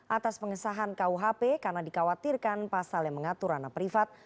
atas pengesahan kuhp karena dikhawatirkan pasal yang mengatur anak privat